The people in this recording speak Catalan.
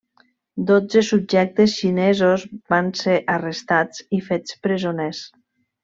Dotze subjectes xinesos van ser arrestats i fets presoners.